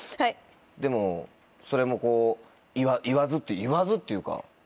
でもそれも言わず言わずっていうか。